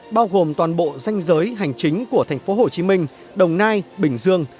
bao gồm toàn bộ danh giới hành chính của thành phố hồ chí minh đồng nai bình dương